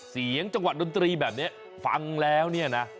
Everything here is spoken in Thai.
จังหวะดนตรีแบบนี้ฟังแล้วเนี่ยนะ